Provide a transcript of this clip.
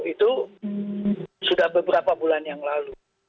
itu sudah beberapa bulan yang lalu